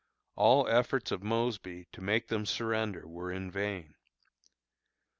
All efforts of Mosby to make them surrender were in vain.